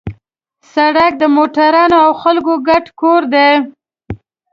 سړک د موټرونو او خلکو ګډ کور دی.